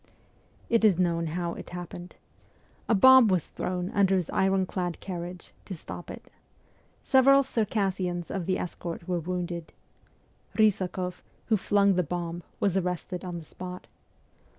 It is known how it happened. A bomb was thrown under his iron clad carriage, to stop it. Several Cir cassians of the escort were wounded. Bysakoff, who flung the bomb, was arrested on the spot.